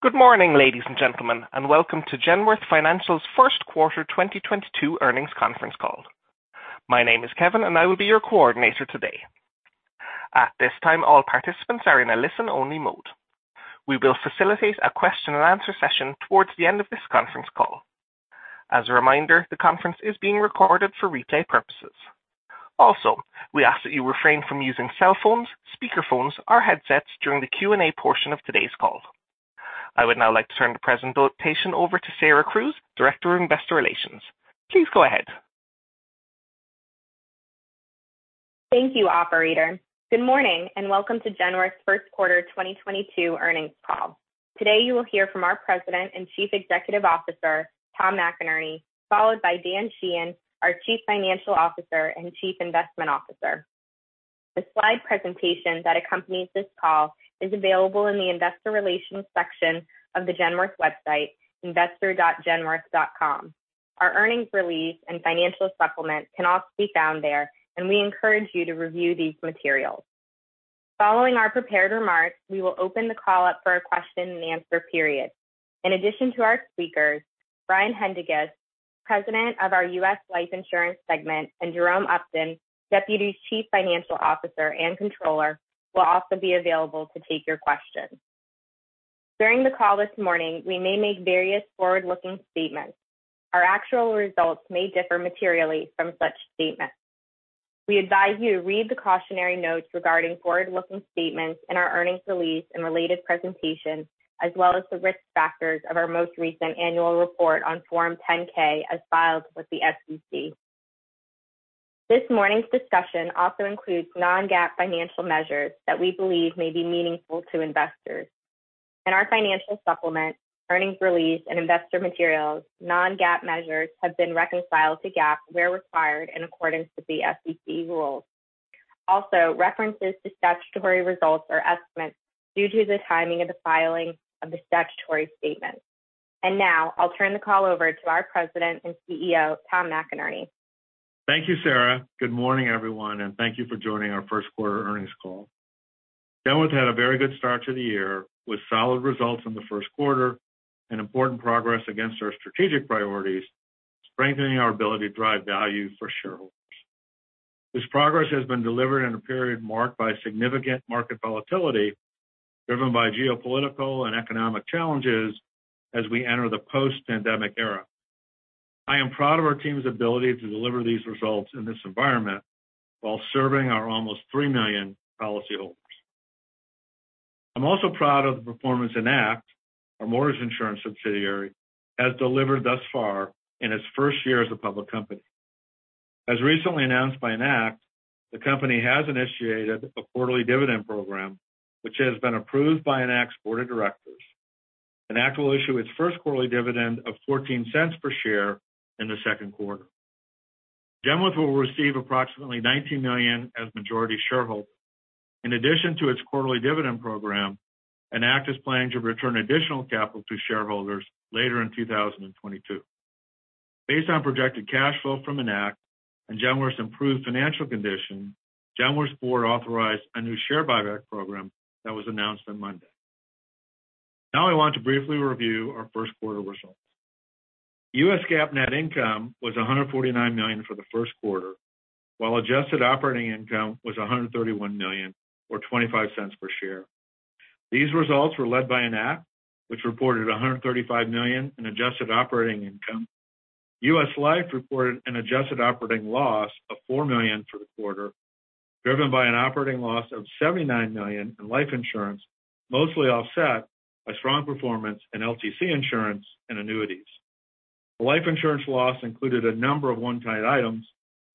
Good morning, ladies and gentlemen, and welcome to Genworth Financial First Quarter 2022 Earnings Conference Call. My name is Kevin, and I will be your coordinator today. At this time, all participants are in a listen-only mode. We will facilitate a question-and-answer session towards the end of this conference call. As a reminder, the conference is being recorded for replay purposes. Also, we ask that you refrain from using cell phones, speakerphones, or headsets during the Q&A portion of today's call. I would now like to turn the presentation over to Sarah Crews, Director of Investor Relations. Please go ahead. Thank you, operator. Good morning, and welcome to Genworth's First Quarter 2022 Earnings Call. Today, you will hear from our President and Chief Executive Officer, Tom McInerney, followed by Dan Sheehan, our Chief Financial Officer and Chief Investment Officer. The slide presentation that accompanies this call is available in the investor relations section of the Genworth website, investor.genworth.com. Our earnings release and financial supplement can also be found there, and we encourage you to review these materials. Following our prepared remarks, we will open the call up for a question-and-answer period. In addition to our speakers, Brian Haendiges, President of our U.S. Life Insurance segment, and Jerome Upton, Deputy Chief Financial Officer and Controller, will also be available to take your questions. During the call this morning, we may make various forward-looking statements. Our actual results may differ materially from such statements. We advise you to read the cautionary notes regarding forward-looking statements in our earnings release and related presentations, as well as the risk factors of our most recent annual report on Form 10-K as filed with the SEC. This morning's discussion also includes non-GAAP financial measures that we believe may be meaningful to investors. In our financial supplement, earnings release, and investor materials, non-GAAP measures have been reconciled to GAAP where required in accordance with the SEC rules. Also, references to statutory results or estimates due to the timing of the filing of the statutory statements. Now I'll turn the call over to our President and CEO, Tom McInerney. Thank you, Sarah. Good morning, everyone, and thank you for joining our first quarter earnings call. Genworth had a very good start to the year with solid results in the first quarter and important progress against our strategic priorities, strengthening our ability to drive value for shareholders. This progress has been delivered in a period marked by significant market volatility driven by geopolitical and economic challenges as we enter the post-pandemic era. I am proud of our team's ability to deliver these results in this environment while serving our almost three million policyholders. I'm also proud of the performance Enact, our mortgage insurance subsidiary has delivered thus far in its first year as a public company. As recently announced by Enact, the company has initiated a quarterly dividend program, which has been approved by Enact's Board of Directors. Enact will issue its first quarterly dividend of $0.14 per share in the second quarter. Genworth will receive approximately $19 million as majority shareholder. In addition to its quarterly dividend program, Enact is planning to return additional capital to shareholders later in 2022. Based on projected cash flow from Enact and Genworth's improved financial condition, Genworth's Board authorized a new share buyback program that was announced on Monday. Now I want to briefly review our first quarter results. U.S. GAAP net income was $149 million for the first quarter, while adjusted operating income was $131 million or $0.25 per share. These results were led by Enact, which reported $135 million in adjusted operating income. U.S. Life reported an adjusted operating loss of $4 million for the quarter, driven by an operating loss of $79 million in life insurance, mostly offset by strong performance in LTC Insurance and Annuities. The life insurance loss included a number of one-time items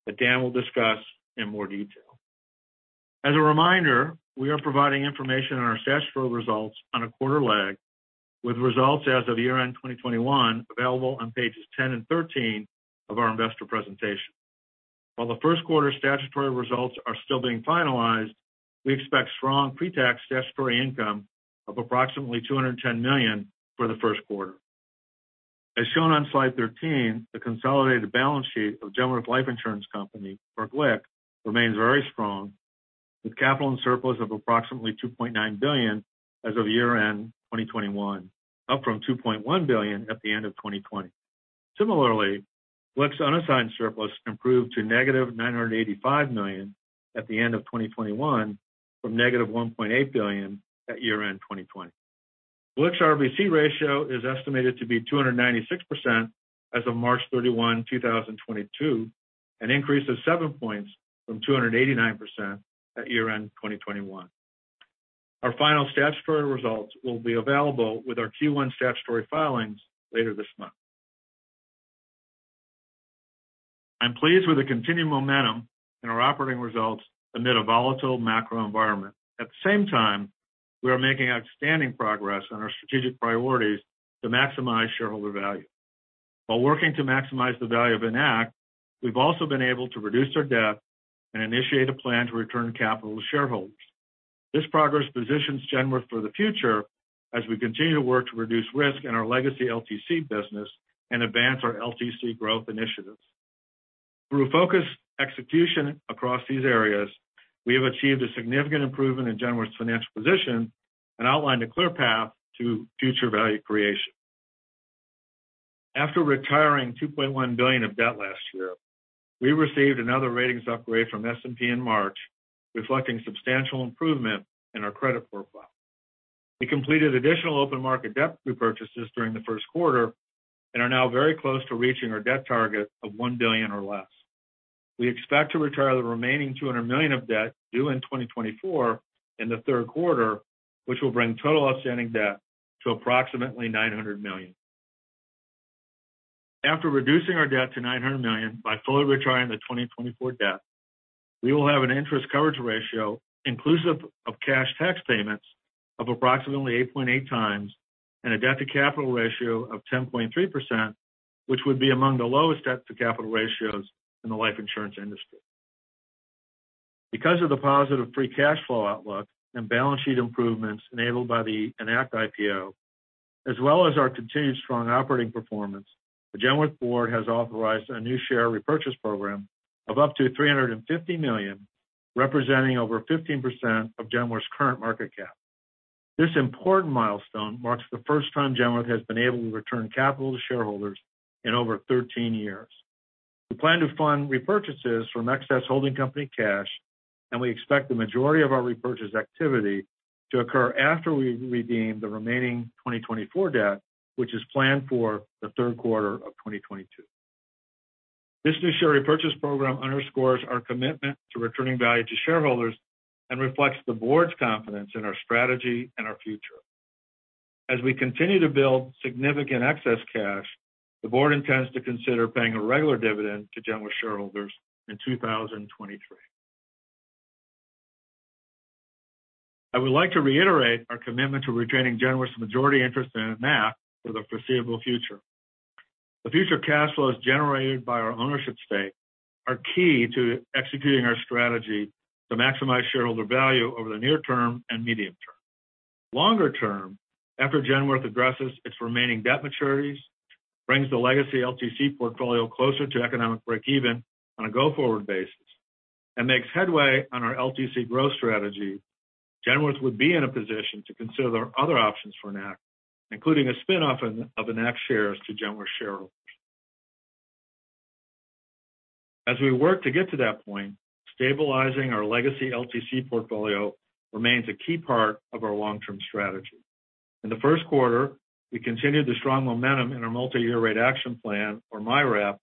that Dan will discuss in more detail. As a reminder, we are providing information on our statutory results on a quarter lag, with results as of year-end 2021 available on pages 10 and 13 of our investor presentation. While the first quarter statutory results are still being finalized, we expect strong pre-tax statutory income of approximately $210 million for the first quarter. As shown on slide 13, the consolidated balance sheet of Genworth Life Insurance Company or GLIC remains very strong, with capital and surplus of approximately $2.9 billion as of year-end 2021, up from $2.1 billion at the end of 2020. Similarly, GLIC's unassigned surplus improved to -$985 million at the end of 2021 from -$1.8 billion at year-end 2020. GLIC's RBC ratio is estimated to be 296% as of March 31, 2022, an increase of seven points from 289% at year-end 2021. Our final statutory results will be available with our Q1 statutory filings later this month. I'm pleased with the continued momentum in our operating results amid a volatile macro environment. At the same time, we are making outstanding progress on our strategic priorities to maximize shareholder value. While working to maximize the value of Enact, we've also been able to reduce our debt and initiate a plan to return capital to shareholders. This progress positions Genworth for the future as we continue to work to reduce risk in our legacy LTC business and advance our LTC growth initiatives. Through focused execution across these areas, we have achieved a significant improvement in Genworth's financial position and outlined a clear path to future value creation. After retiring $2.1 billion of debt last year, we received another ratings upgrade from S&P in March, reflecting substantial improvement in our credit profile. We completed additional open market debt repurchases during the first quarter and are now very close to reaching our debt target of $1 billion or less. We expect to retire the remaining $200 million of debt due in 2024 in the third quarter, which will bring total outstanding debt to approximately $900 million. After reducing our debt to $900 million by fully retiring the 2024 debt, we will have an interest coverage ratio inclusive of cash tax payments of approximately 8.8x and a debt to capital ratio of 10.3%, which would be among the lowest debt to capital ratios in the life insurance industry. Because of the positive free cash flow outlook and balance sheet improvements enabled by the Enact IPO, as well as our continued strong operating performance, the Genworth board has authorized a new share repurchase program of up to $350 million, representing over 15% of Genworth's current market cap. This important milestone marks the first time Genworth has been able to return capital to shareholders in over 13 years. We plan to fund repurchases from excess holding company cash, and we expect the majority of our repurchase activity to occur after we redeem the remaining 2024 debt, which is planned for the third quarter of 2022. This new share repurchase program underscores our commitment to returning value to shareholders and reflects the board's confidence in our strategy and our future. As we continue to build significant excess cash, the board intends to consider paying a regular dividend to Genworth shareholders in 2023. I would like to reiterate our commitment to retaining Genworth's majority interest in Enact for the foreseeable future. The future cash flows generated by our ownership stake are key to executing our strategy to maximize shareholder value over the near term and medium term. Longer term, after Genworth addresses its remaining debt maturities, brings the legacy LTC portfolio closer to economic breakeven on a go-forward basis, and makes headway on our LTC growth strategy, Genworth would be in a position to consider other options for Enact, including a spinoff of Enact shares to Genworth shareholders. As we work to get to that point, stabilizing our legacy LTC portfolio remains a key part of our long-term strategy. In the first quarter, we continued the strong momentum in our Multi-Year Rate Action Plan, or MYRAP,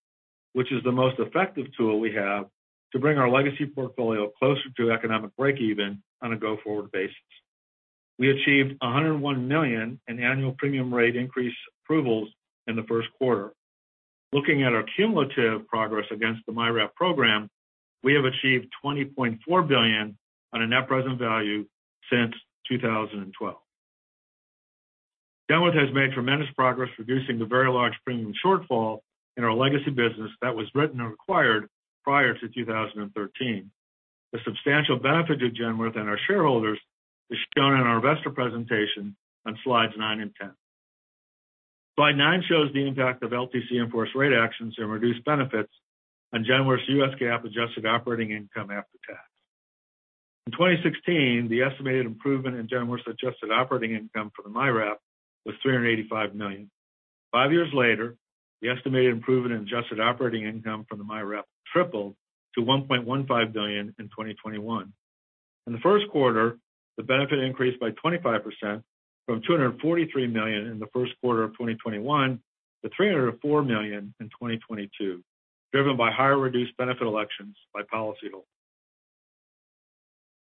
which is the most effective tool we have to bring our legacy portfolio closer to economic breakeven on a go-forward basis. We achieved $101 million in annual premium rate increase approvals in the first quarter. Looking at our cumulative progress against the MYRAP program, we have achieved $20.4 billion on a net present value since 2012. Genworth has made tremendous progress reducing the very large premium shortfall in our legacy business that was written and acquired prior to 2013. The substantial benefit to Genworth and our shareholders is shown in our investor presentation on slides nine and 10. Slide nine shows the impact of LTC enforced rate actions and reduced benefits on Genworth's U.S. GAAP adjusted operating income after tax. In 2016, the estimated improvement in Genworth's adjusted operating income for the MYRAP was $385 million. Five years later, the estimated improvement in adjusted operating income from the MYRAP tripled to $1.15 billion in 2021. In the first quarter, the benefit increased by 25% from $243 million in the first quarter of 2021 to $304 million in 2022, driven by higher reduced benefit elections by policyholders.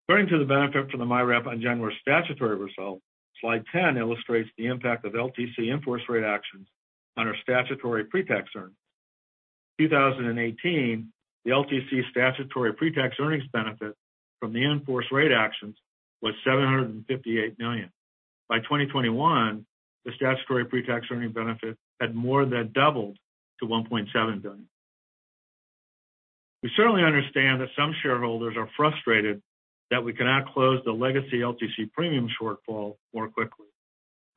Turning to the benefit from the MYRAP on Genworth's statutory results, slide 10 illustrates the impact of LTC enforced rate actions on our statutory pre-tax earnings. In 2018, the LTC statutory pre-tax earnings benefit from the enforced rate actions was $758 million. By 2021, the statutory pre-tax earnings benefit had more than doubled to $1.7 billion. We certainly understand that some shareholders are frustrated that we cannot close the legacy LTC premium shortfall more quickly.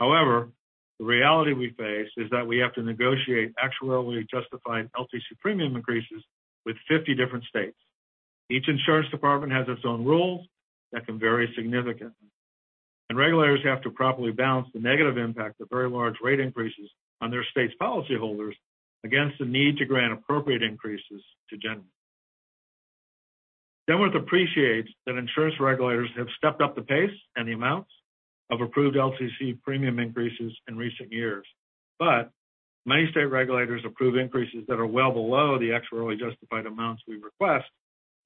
However, the reality we face is that we have to negotiate actuarially justified LTC premium increases with 50 different states. Each insurance department has its own rules that can vary significantly, and regulators have to properly balance the negative impact of very large rate increases on their state's policyholders against the need to grant appropriate increases to Genworth. Genworth appreciates that insurance regulators have stepped up the pace and the amounts of approved LTC premium increases in recent years, but many state regulators approve increases that are well below the actuarially justified amounts we request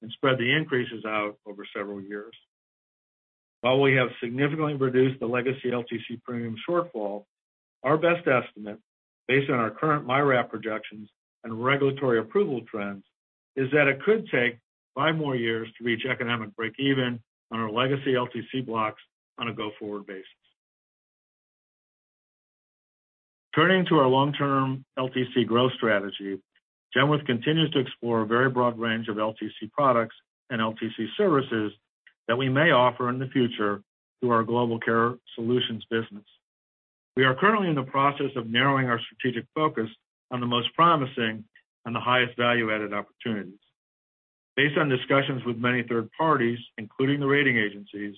and spread the increases out over several years. While we have significantly reduced the legacy LTC premium shortfall, our best estimate based on our current MYRAP projections and regulatory approval trends is that it could take five more years to reach economic breakeven on our legacy LTC blocks on a go-forward basis. Turning to our long-term LTC growth strategy, Genworth continues to explore a very broad range of LTC products and LTC services that we may offer in the future through our Global Care Solutions business. We are currently in the process of narrowing our strategic focus on the most promising and the highest value-added opportunities. Based on discussions with many third parties, including the rating agencies,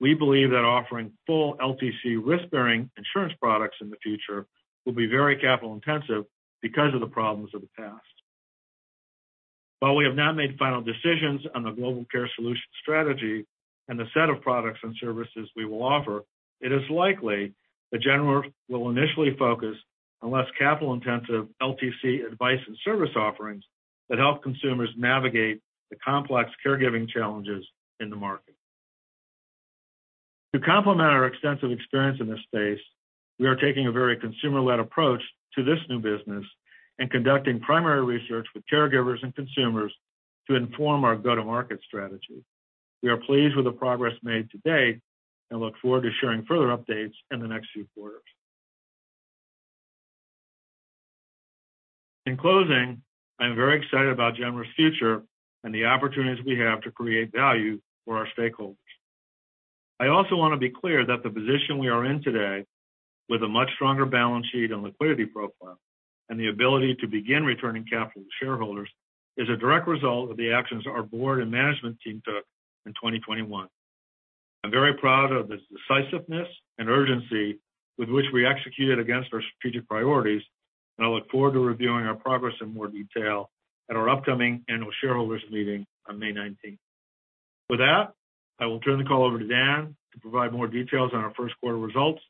we believe that offering full LTC risk-bearing insurance products in the future will be very capital-intensive because of the problems of the past. While we have not made final decisions on the Global Care Solutions strategy and the set of products and services we will offer, it is likely that Genworth will initially focus on less capital-intensive LTC advice and service offerings that help consumers navigate the complex caregiving challenges in the market. To complement our extensive experience in this space, we are taking a very consumer-led approach to this new business and conducting primary research with caregivers and consumers to inform our go-to-market strategy. We are pleased with the progress made to date and look forward to sharing further updates in the next few quarters. In closing, I'm very excited about Genworth's future and the opportunities we have to create value for our stakeholders. I also want to be clear that the position we are in today, with a much stronger balance sheet and liquidity profile and the ability to begin returning capital to shareholders, is a direct result of the actions our board and management team took in 2021. I'm very proud of the decisiveness and urgency with which we executed against our strategic priorities, and I look forward to reviewing our progress in more detail at our upcoming annual shareholders meeting on May 19. With that, I will turn the call over to Dan to provide more details on our first quarter results,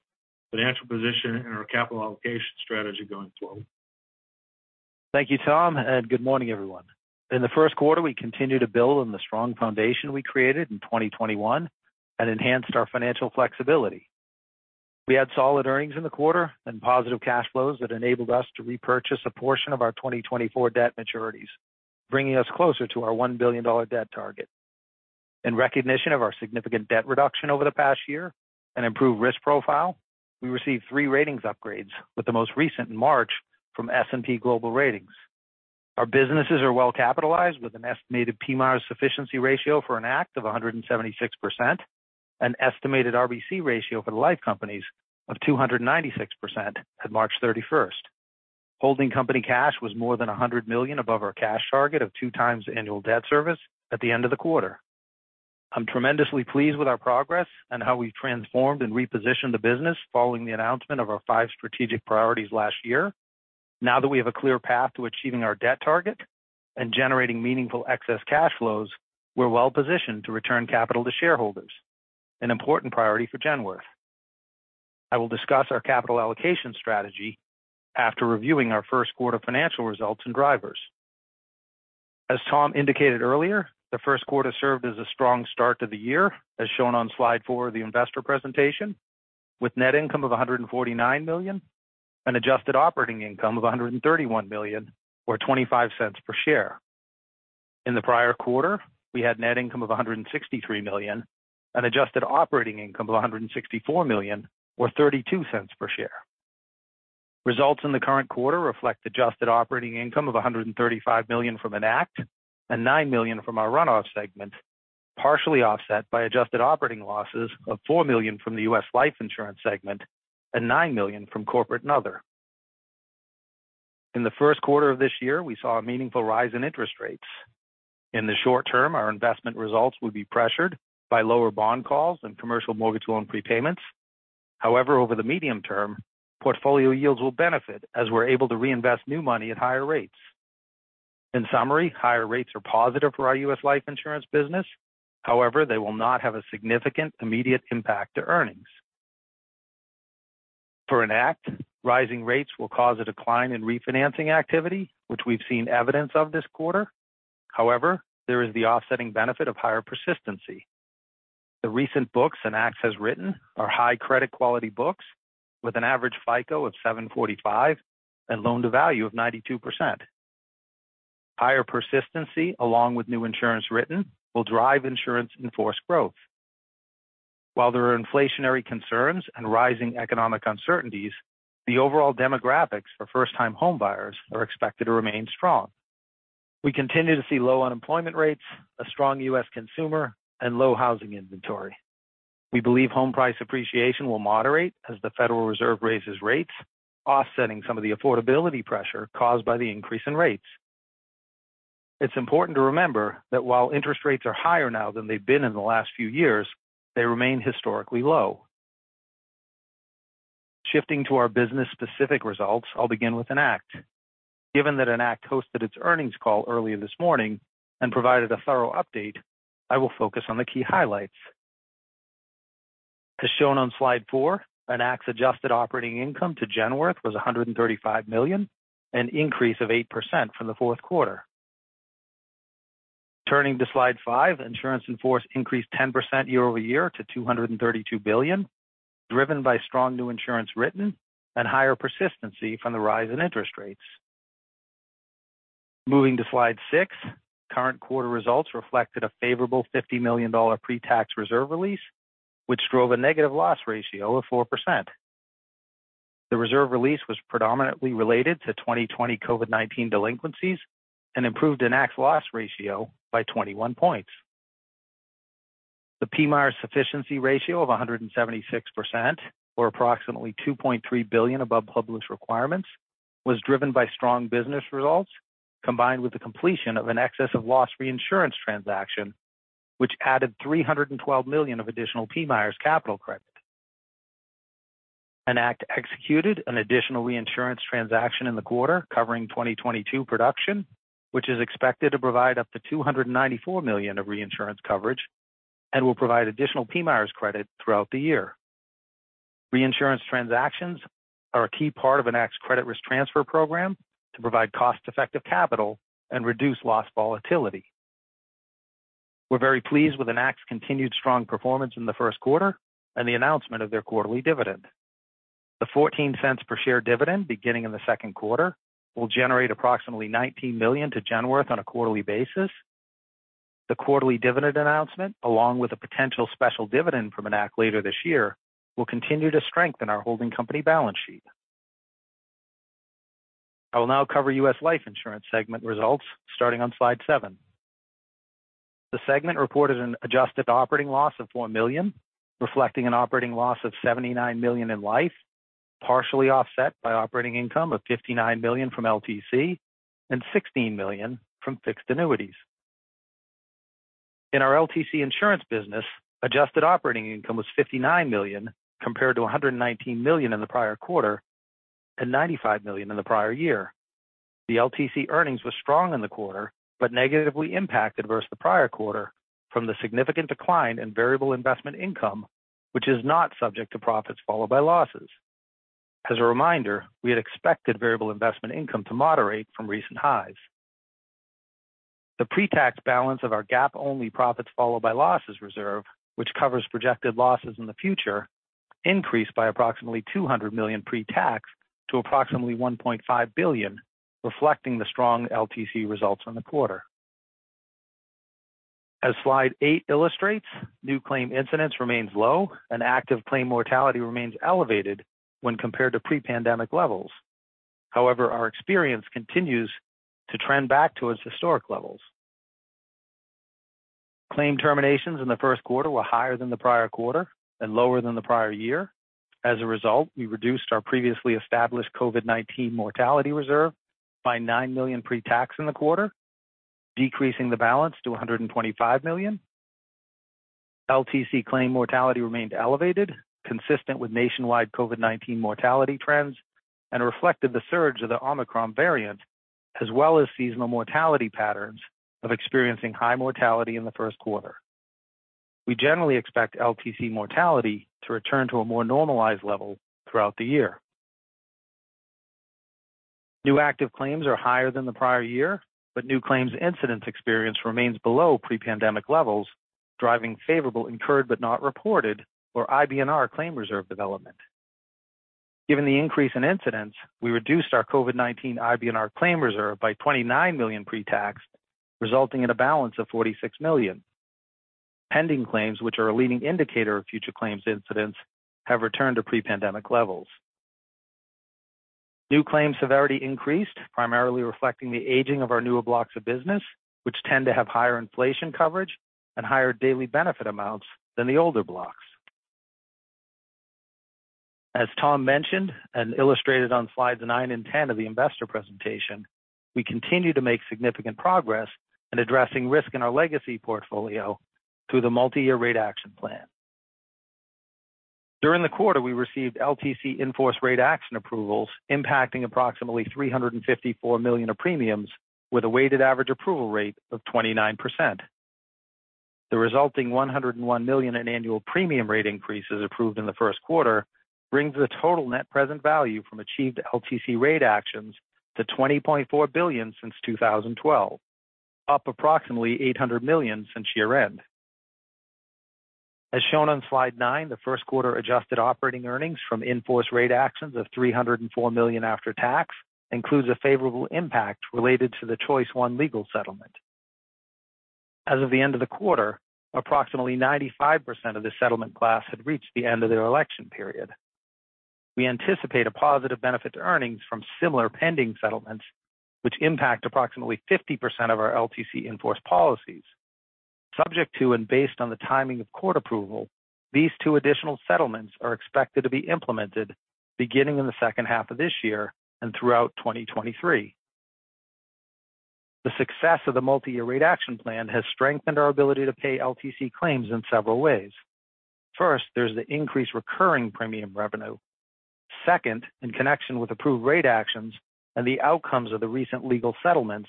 financial position, and our capital allocation strategy going forward. Thank you, Tom, and good morning, everyone. In the first quarter, we continued to build on the strong foundation we created in 2021 and enhanced our financial flexibility. We had solid earnings in the quarter and positive cash flows that enabled us to repurchase a portion of our 2024 debt maturities, bringing us closer to our $1 billion debt target. In recognition of our significant debt reduction over the past year and improved risk profile, we received three ratings upgrades, with the most recent in March from S&P Global Ratings. Our businesses are well-capitalized, with an estimated PMIERs sufficiency ratio for Enact of 176%, an estimated RBC ratio for the life companies of 296% at March 31st. Holding company cash was more than $100 million above our cash target of 2x annual debt service at the end of the quarter. I'm tremendously pleased with our progress and how we've transformed and repositioned the business following the announcement of our five strategic priorities last year. Now that we have a clear path to achieving our debt target and generating meaningful excess cash flows, we're well-positioned to return capital to shareholders, an important priority for Genworth. I will discuss our capital allocation strategy after reviewing our first quarter financial results and drivers. As Tom indicated earlier, the first quarter served as a strong start to the year, as shown on slide four of the investor presentation, with net income of $149 million and adjusted operating income of $131 million, or $0.25 per share. In the prior quarter, we had net income of $163 million and adjusted operating income of $164 million, or $0.32 per share. Results in the current quarter reflect adjusted operating income of $135 million from Enact and $9 million from our Run-off segment, partially offset by adjusted operating losses of $4 million from the U.S. Life Insurance segment and $9 million from Corporate and Other. In the first quarter of this year, we saw a meaningful rise in interest rates. In the short term, our investment results will be pressured by lower bond calls and commercial mortgage loan prepayments. However, over the medium term, portfolio yields will benefit as we're able to reinvest new money at higher rates. In summary, higher rates are positive for our U.S. Life Insurance business. However, they will not have a significant immediate impact to earnings. For Enact, rising rates will cause a decline in refinancing activity, which we've seen evidence of this quarter. However, there is the offsetting benefit of higher persistency. The recent books Enact has written are high credit quality books with an average FICO of 745 and loan-to-value of 92%. Higher persistency, along with new insurance written, will drive insurance in force growth. While there are inflationary concerns and rising economic uncertainties, the overall demographics for first-time homebuyers are expected to remain strong. We continue to see low unemployment rates, a strong U.S. consumer, and low housing inventory. We believe home price appreciation will moderate as the Federal Reserve raises rates, offsetting some of the affordability pressure caused by the increase in rates. It's important to remember that while interest rates are higher now than they've been in the last few years, they remain historically low. Shifting to our business-specific results, I'll begin with Enact. Given that Enact hosted its earnings call earlier this morning and provided a thorough update, I will focus on the key highlights. As shown on slide four, Enact's adjusted operating income to Genworth was $135 million, an increase of 8% from the fourth quarter. Turning to slide five, insurance in force increased 10% year-over-year to $232 billion, driven by strong new insurance written and higher persistency from the rise in interest rates. Moving to slide six, current quarter results reflected a favorable $50 million pre-tax reserve release, which drove a negative loss ratio of 4%. The reserve release was predominantly related to 2020 COVID-19 delinquencies and improved Enact's loss ratio by 21 points. The PMIER sufficiency ratio of 176% or approximately $2.3 billion above public requirements was driven by strong business results, combined with the completion of an excess of loss reinsurance transaction, which added $312 million of additional PMIER's capital credit. Enact executed an additional reinsurance transaction in the quarter covering 2022 production, which is expected to provide up to $294 million of reinsurance coverage and will provide additional PMIER's credit throughout the year. Reinsurance transactions are a key part of Enact's credit risk transfer program to provide cost-effective capital and reduce loss volatility. We're very pleased with Enact's continued strong performance in the first quarter and the announcement of their quarterly dividend. The $0.14 per share dividend beginning in the second quarter will generate approximately $19 million to Genworth on a quarterly basis. The quarterly dividend announcement, along with a potential special dividend from Enact later this year, will continue to strengthen our holding company balance sheet. I will now cover U.S. Life Insurance segment results starting on slide seven. The segment reported an adjusted operating loss of $4 million, reflecting an operating loss of $79 million in Life, partially offset by operating income of $59 million from LTC and $16 million from fixed annuities. In our LTC insurance business, adjusted operating income was $59 million compared to $119 million in the prior quarter and $95 million in the prior year. The LTC earnings were strong in the quarter but negatively impacted versus the prior quarter from the significant decline in variable investment income, which is not subject to profits followed by losses. As a reminder, we had expected variable investment income to moderate from recent highs. The pre-tax balance of our GAAP-only profits followed by losses reserve, which covers projected losses in the future, increased by approximately $200 million pre-tax to approximately $1.5 billion, reflecting the strong LTC results in the quarter. As slide eight illustrates, new claim incidents remains low and active claim mortality remains elevated when compared to pre-pandemic levels. However, our experience continues to trend back toward historic levels. Claim terminations in the first quarter were higher than the prior quarter and lower than the prior year. As a result, we reduced our previously established COVID-19 mortality reserve by $9 million pre-tax in the quarter, decreasing the balance to $125 million. LTC claim mortality remained elevated, consistent with nationwide COVID-19 mortality trends and reflected the surge of the Omicron variant, as well as seasonal mortality patterns of experiencing high mortality in the first quarter. We generally expect LTC mortality to return to a more normalized level throughout the year. New active claims are higher than the prior year, but new claims incidence experience remains below pre-pandemic levels, driving favorable Incurred But Not Reported or IBNR claim reserve development. Given the increase in incidents, we reduced our COVID-19 IBNR claim reserve by $29 million pre-tax, resulting in a balance of $46 million. Pending claims, which are a leading indicator of future claims incidents, have returned to pre-pandemic levels. New claims severity increased, primarily reflecting the aging of our newer blocks of business, which tend to have higher inflation coverage and higher daily benefit amounts than the older blocks. As Tom mentioned and illustrated on slides nine and 10 of the investor presentation, we continue to make significant progress in addressing risk in our legacy portfolio through the multi-year rate action plan. During the quarter, we received LTC in-force rate action approvals impacting approximately $354 million of premiums with a weighted average approval rate of 29%. The resulting $101 million in annual premium rate increases approved in the first quarter brings the total net present value from achieved LTC rate actions to $20.4 billion since 2012, up approximately $800 million since year-end. As shown on slide nine, the first quarter adjusted operating earnings from in-force rate actions of $304 million after tax includes a favorable impact related to the Choice 1 legal settlement. As of the end of the quarter, approximately 95% of the settlement class had reached the end of their election period. We anticipate a positive benefit to earnings from similar pending settlements, which impact approximately 50% of our LTC in-force policies. Subject to and based on the timing of court approval, these two additional settlements are expected to be implemented beginning in the second half of this year and throughout 2023. The success of the multi-year rate action plan has strengthened our ability to pay LTC claims in several ways. First, there's the increased recurring premium revenue. Second, in connection with approved rate actions and the outcomes of the recent legal settlements,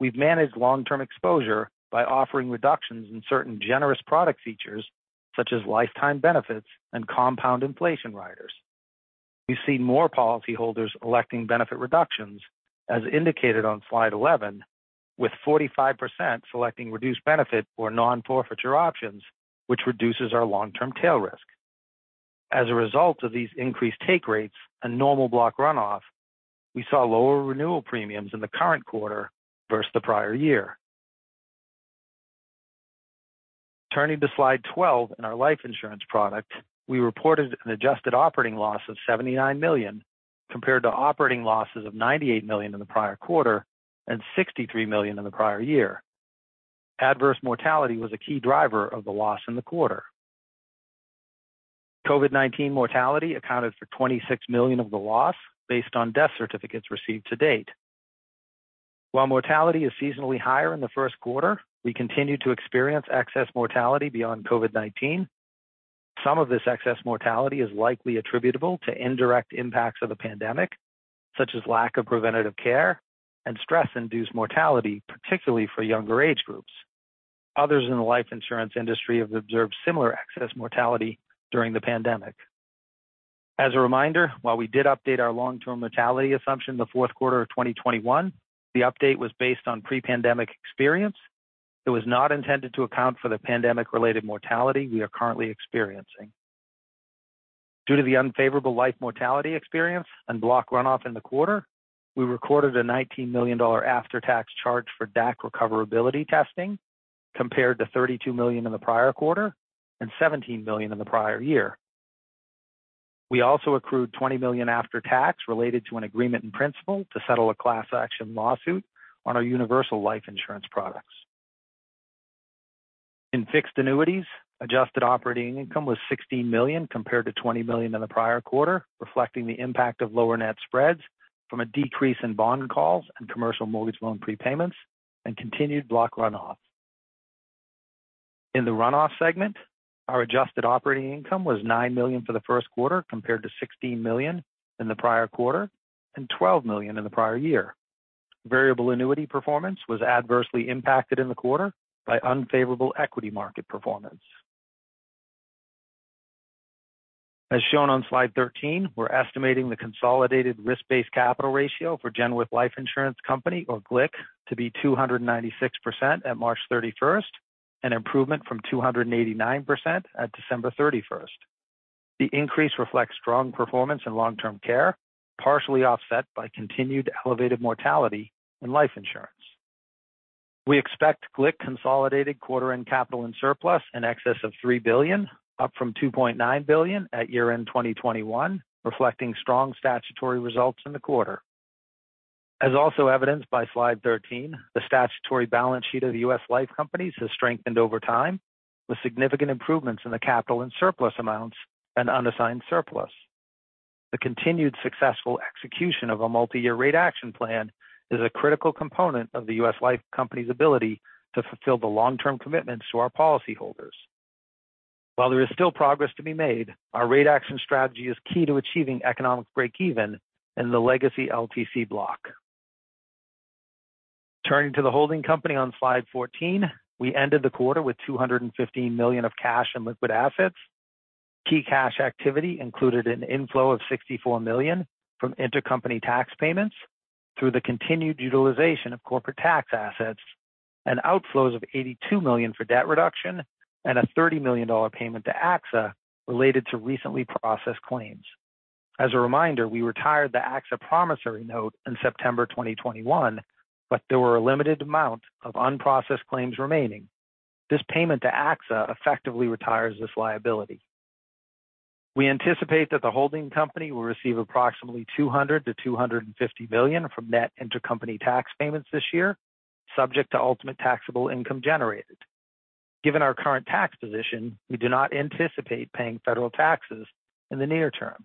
we've managed long-term exposure by offering reductions in certain generous product features such as lifetime benefits and compound inflation riders. We see more policyholders electing benefit reductions, as indicated on slide 11, with 45% selecting reduced benefit or non-forfeiture options, which reduces our long-term tail risk. As a result of these increased take rates and normal block runoff, we saw lower renewal premiums in the current quarter versus the prior year. Turning to slide 12 in our life insurance product, we reported an adjusted operating loss of $79 million compared to operating losses of $98 million in the prior quarter and $63 million in the prior year. Adverse mortality was a key driver of the loss in the quarter. COVID-19 mortality accounted for $26 million of the loss based on death certificates received to date. While mortality is seasonally higher in the first quarter, we continue to experience excess mortality beyond COVID-19. Some of this excess mortality is likely attributable to indirect impacts of the pandemic, such as lack of preventative care and stress-induced mortality, particularly for younger age groups. Others in the life insurance industry have observed similar excess mortality during the pandemic. As a reminder, while we did update our long-term mortality assumption in the fourth quarter of 2021, the update was based on pre-pandemic experience. It was not intended to account for the pandemic-related mortality we are currently experiencing. Due to the unfavorable life mortality experience and block runoff in the quarter, we recorded a $19 million after-tax charge for DAC recoverability testing, compared to $32 million in the prior quarter and $17 million in the prior year. We also accrued $20 million after-tax related to an agreement in principle to settle a class action lawsuit on our universal life insurance products. In fixed annuities, adjusted operating income was $16 million compared to $20 million in the prior quarter, reflecting the impact of lower net spreads from a decrease in bond calls and commercial mortgage loan prepayments and continued block runoff. In the runoff segment, our adjusted operating income was $9 million for the first quarter compared to $16 million in the prior quarter and $12 million in the prior year. Variable annuity performance was adversely impacted in the quarter by unfavorable equity market performance. As shown on slide 13, we're estimating the consolidated risk-based capital ratio for Genworth Life Insurance Company, or GLIC, to be 296% at March 31st, an improvement from 289% at December 31st. The increase reflects strong performance in long-term care, partially offset by continued elevated mortality in life insurance. We expect GLIC consolidated quarter-end capital and surplus in excess of $3 billion, up from $2.9 billion at year-end 2021, reflecting strong statutory results in the quarter. As also evidenced by slide 13, the statutory balance sheet of the U.S. Life Companies has strengthened over time, with significant improvements in the capital and surplus amounts and unassigned surplus. The continued successful execution of a multi-year rate action plan is a critical component of the U.S. Life Company's ability to fulfill the long-term commitments to our policyholders. While there is still progress to be made, our rate action strategy is key to achieving economic breakeven in the legacy LTC block. Turning to the holding company on slide 14, we ended the quarter with $215 million of cash and liquid assets. Key cash activity included an inflow of $64 million from intercompany tax payments through the continued utilization of corporate tax assets and outflows of $82 million for debt reduction and a $30 million payment to AXA related to recently processed claims. As a reminder, we retired the AXA promissory note in September 2021, but there were a limited amount of unprocessed claims remaining. This payment to AXA effectively retires this liability. We anticipate that the holding company will receive approximately $200 million-$250 million from net intercompany tax payments this year, subject to ultimate taxable income generated. Given our current tax position, we do not anticipate paying federal taxes in the near term.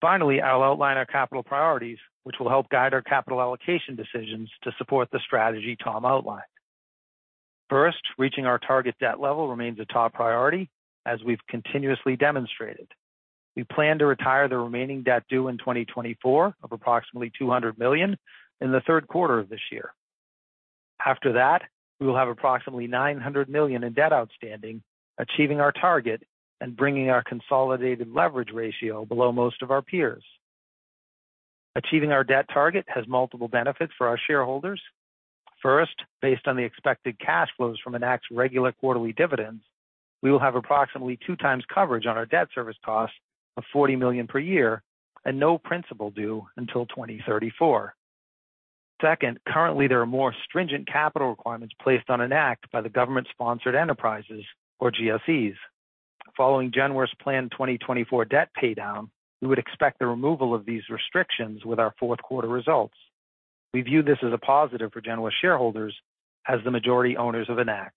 Finally, I'll outline our capital priorities, which will help guide our capital allocation decisions to support the strategy Tom outlined. First, reaching our target debt level remains a top priority, as we've continuously demonstrated. We plan to retire the remaining debt due in 2024 of approximately $200 million in the third quarter of this year. After that, we will have approximately $900 million in debt outstanding, achieving our target and bringing our consolidated leverage ratio below most of our peers. Achieving our debt target has multiple benefits for our shareholders. First, based on the expected cash flows from Enact's regular quarterly dividends, we will have approximately 2x coverage on our debt service cost of $40 million per year and no principal due until 2034. Second, currently there are more stringent capital requirements placed on Enact by the Government-Sponsored Enterprises, or GSEs. Following Genworth's planned 2024 debt paydown, we would expect the removal of these restrictions with our fourth quarter results. We view this as a positive for Genworth shareholders as the majority owners of Enact.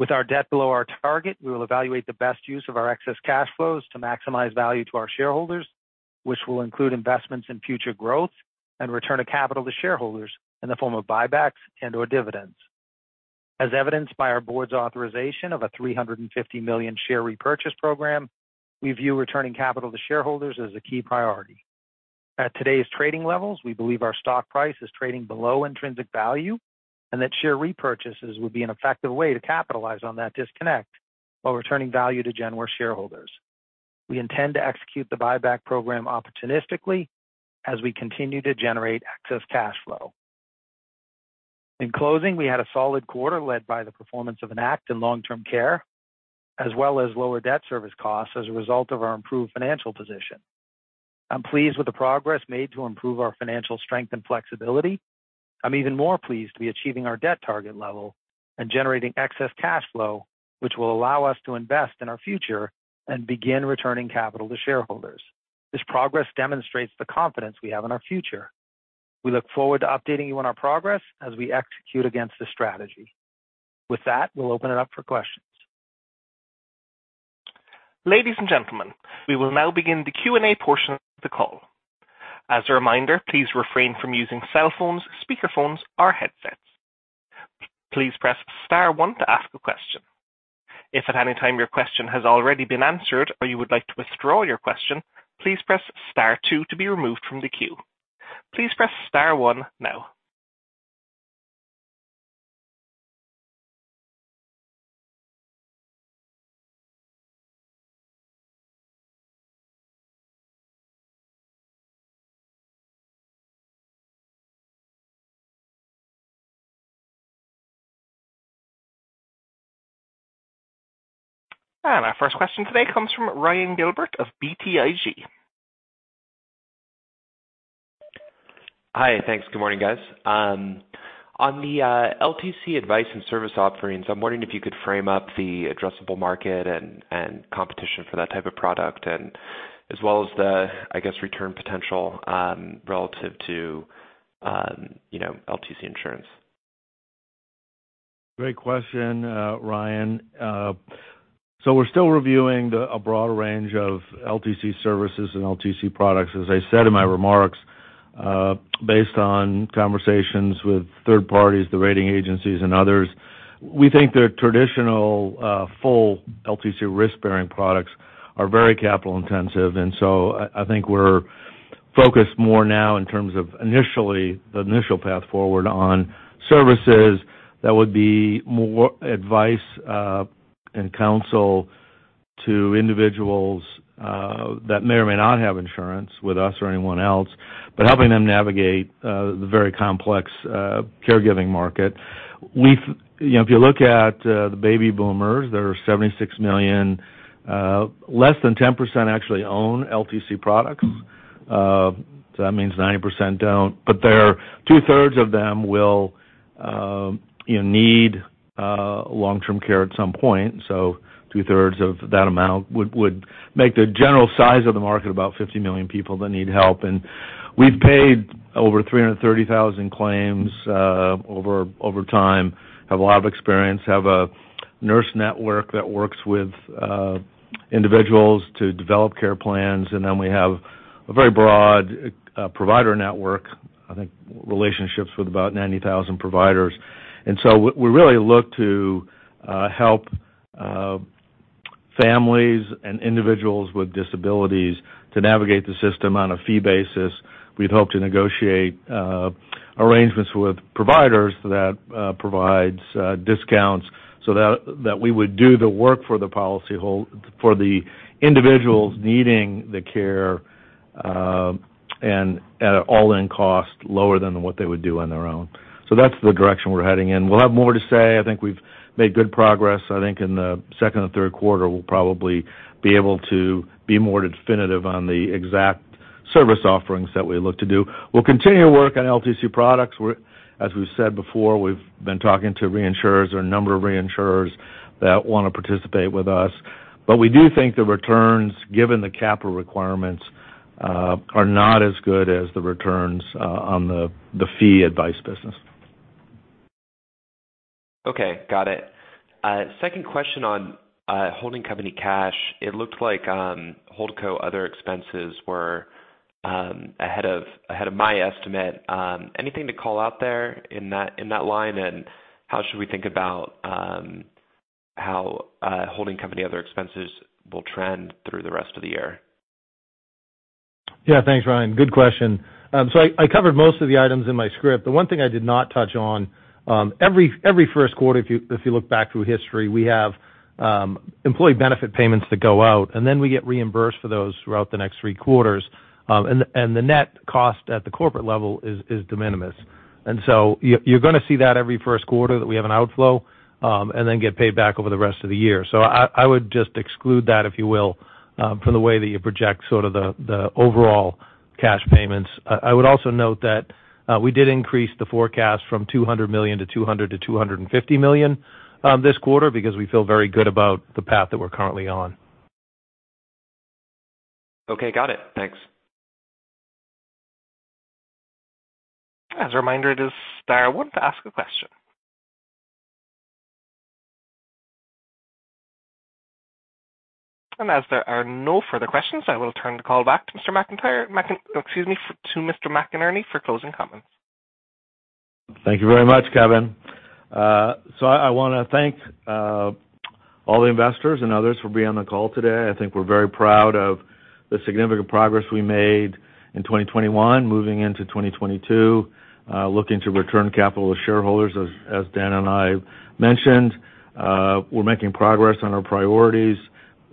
With our debt below our target, we will evaluate the best use of our excess cash flows to maximize value to our shareholders, which will include investments in future growth and return of capital to shareholders in the form of buybacks and/or dividends. As evidenced by our Board's authorization of a $350 million share repurchase program, we view returning capital to shareholders as a key priority. At today's trading levels, we believe our stock price is trading below intrinsic value and that share repurchases would be an effective way to capitalize on that disconnect while returning value to Genworth shareholders. We intend to execute the buyback program opportunistically as we continue to generate excess cash flow. In closing, we had a solid quarter led by the performance of Enact in long-term care, as well as lower debt service costs as a result of our improved financial position. I'm pleased with the progress made to improve our financial strength and flexibility. I'm even more pleased to be achieving our debt target level and generating excess cash flow, which will allow us to invest in our future and begin returning capital to shareholders. This progress demonstrates the confidence we have in our future. We look forward to updating you on our progress as we execute against this strategy. With that, we'll open it up for questions. Ladies and gentlemen, we will now begin the Q&A portion of the call. As a reminder, please refrain from using cell phones, speaker phones, or headsets. Please press star one to ask a question. If at any time your question has already been answered or you would like to withdraw your question, please press star two to be removed from the queue. Please press star one now. Our first question today comes from Ryan Gilbert of BTIG. Hi. Thanks. Good morning, guys. On the LTC advice and service offerings, I'm wondering if you could frame up the addressable market and competition for that type of product as well as the, I guess, return potential relative to you know, LTC insurance. Great question, Ryan. We're still reviewing a broad range of LTC services and LTC products, as I said in my remarks. Based on conversations with third parties, the rating agencies and others, we think their traditional full LTC risk-bearing products are very capital-intensive. I think we're focused more now in terms of initially, the initial path forward on services that would be more advice and counsel to individuals that may or may not have insurance with us or anyone else, but helping them navigate the very complex caregiving market. You know, if you look at the baby boomers, there are 76 million less than 10% actually own LTC products. That means 90% don't, but 2/3 of them will, you know, need long-term care at some point. 2/3 of that amount would make the general size of the market about 50 million people that need help. We've paid over 330,000 claims over time, have a lot of experience, have a nurse network that works with individuals to develop care plans, and then we have a very broad provider network, I think relationships with about 90,000 providers. We really look to help families and individuals with disabilities to navigate the system on a fee basis. We'd hope to negotiate arrangements with providers that provides discounts so that we would do the work for the individuals needing the care, and at an all-in cost lower than what they would do on their own. That's the direction we're heading in. We'll have more to say. I think we've made good progress. I think in the second or third quarter, we'll probably be able to be more definitive on the exact service offerings that we look to do. We'll continue to work on LTC products. As we've said before, we've been talking to reinsurers or a number of reinsurers that wanna participate with us. But we do think the returns, given the capital requirements, are not as good as the returns on the fee advice business. Okay. Got it. Second question on holding company cash. It looked like Holdco other expenses were ahead of my estimate. Anything to call out there in that line? How should we think about how holding company other expenses will trend through the rest of the year? Yeah. Thanks, Ryan. Good question. I covered most of the items in my script. The one thing I did not touch on, every first quarter, if you look back through history, we have employee benefit payments that go out, and then we get reimbursed for those throughout the next three quarters. The net cost at the corporate level is de minimis. You're gonna see that every first quarter that we have an outflow, and then get paid back over the rest of the year. I would just exclude that, if you will, from the way that you project sort of the overall cash payments. I would also note that we did increase the forecast from $200 million to $200 million-$250 million this quarter because we feel very good about the path that we're currently on. Okay. Got it. Thanks. As a reminder, it is star one to ask a question. As there are no further questions, I will turn the call back to Mr. McInerney. Excuse me, to Mr. McInerney for closing comments. Thank you very much, Kevin. I wanna thank all the investors and others for being on the call today. I think we're very proud of the significant progress we made in 2021 moving into 2022, looking to return capital to shareholders as Dan and I mentioned. We're making progress on our priorities,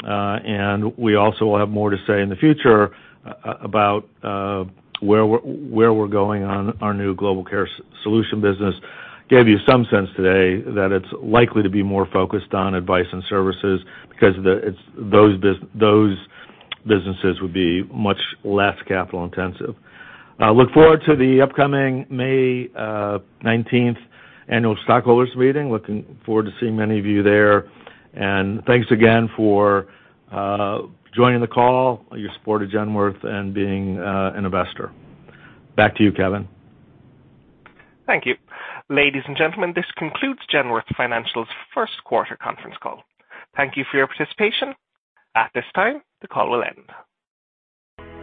and we also will have more to say in the future about where we're going on our new Global Care Solution business. Gave you some sense today that it's likely to be more focused on advice and services 'cause it's those businesses would be much less capital intensive. I look forward to the upcoming May 19th annual stockholders meeting. Looking forward to seeing many of you there. Thanks again for joining the call, your support at Genworth and being an investor. Back to you, Kevin. Thank you. Ladies and gentlemen, this concludes Genworth Financial's first quarter conference call. Thank you for your participation. At this time, the call will end.